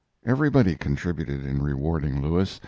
Everybody contributed in rewarding Lewis.